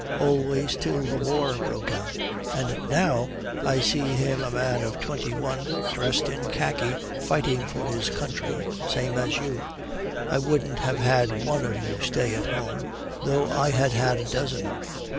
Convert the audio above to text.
Always till the war broke out. And now I see him a man of twenty one, dressed in khaki, fighting for his country, same as you. I wouldn't have had one of you stay at home, though I had had a dozen.